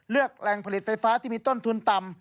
แหล่งผลิตไฟฟ้าที่มีต้นทุนต่ำ